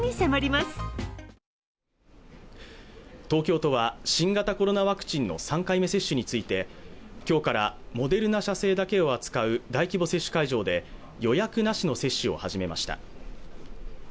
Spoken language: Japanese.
東京都は新型コロナワクチンの３回目接種について今日からモデルナ社製だけを扱う大規模接種会場で予約なしの接種を始めました